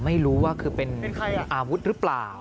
ไม่รู้ว่าคือเป็นอาวุธหรือเปล่า